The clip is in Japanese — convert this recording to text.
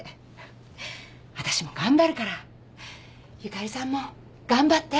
わたしも頑張るからゆかりさんも頑張って。